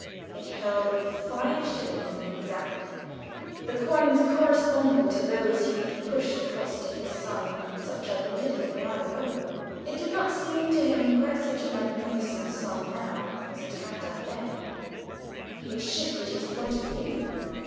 It held five shillings exactly, the coins corresponding to those he had pushed across to his son such a little while ago! It did not seem to him quite such a magnificent sum now as it had done then; he had shifted his point of view.